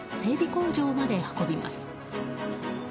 工場まで運びます。